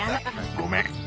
ごめん。